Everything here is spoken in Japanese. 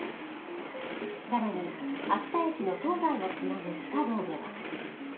さらに、秋田駅の東西をつなぐ地下道では。